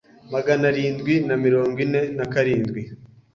Magana arindwi mirongo ine nakarindwi